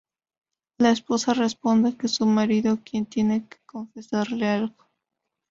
La esposa responde, es su marido quien tiene que confesarle algo.